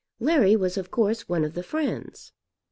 Larry was of course one of the friends.